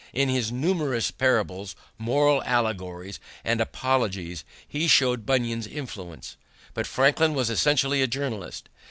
In his numerous parables, moral allegories, and apologues he showed Bunyan's influence. But Franklin was essentially a journalist.